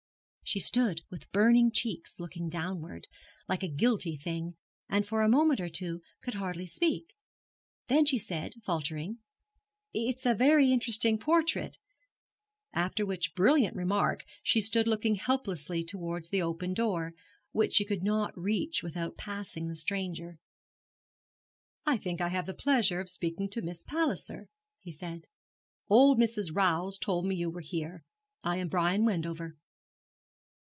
She stood with burning cheeks, looking downward, like a guilty thing, and for a moment or two could hardly speak. Then she said, faltering 'It is a very interesting portrait,' after which brilliant remark she stood looking helplessly towards the open door, which she could not reach without passing the stranger. 'I think I have the pleasure of speaking to Miss Palliser,' he said. 'Old Mrs. Rowse told me you were here. I am Brian Wendover.'